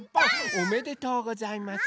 おめでとうございます。